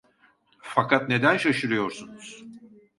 Fakat neden şaşırıyorsunuz?